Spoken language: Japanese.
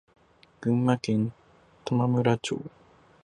群馬県玉村町